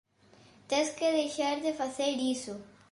Tes que deixar de facer iso.